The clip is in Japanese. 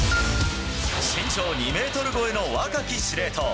身長２メートル超えの若き司令塔。